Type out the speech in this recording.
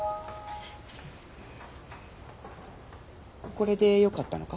これでよかったのか？